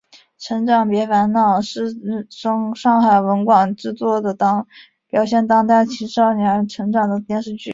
成长别烦恼是上海文广制作的表现当代青少年成长的电视剧。